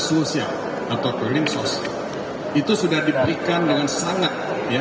sosial atau kering sosial itu sudah diberikan dengan sangat